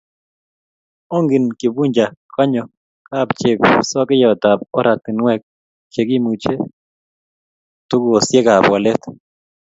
Ongni Kifuja kanyo kapchepsokeyotab oratinwek chekimuche tugosiekab walet